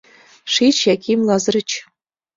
— Шич, Яким Лазырыч.